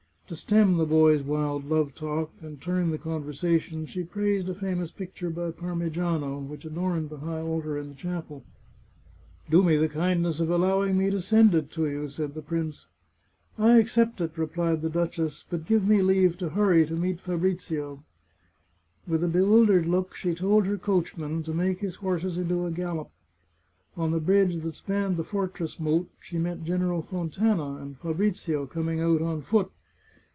To stem the boy's wild love talk, and turn the conversa tion, she praised a famous picture by Parmegiano, which adorned the high altar in the chapel. " Do me the kindness of allowing me to send it to you," said the prince. " I accept it," replied the duchess. " But give me leave to hurry to meet Fabrizio." 478 The Chartreuse of Parma With a bewildered look she told her coachman to make his horses into a gallop. On the bridge that spanned the fortress moat she met General Fontana and Fabrizio coming out on foot.